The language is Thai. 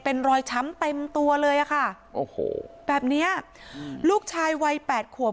เป็นรอยช้ำเต็มตัวเลยอ่ะค่ะโอ้โหแบบเนี้ยลูกชายวัยแปดขวบ